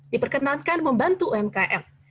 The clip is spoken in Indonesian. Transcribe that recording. diperkenalkan membantu umkm